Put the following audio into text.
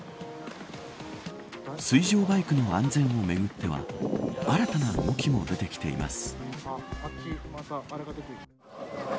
水上バイクの安全を巡っては新たな動きも出てきています。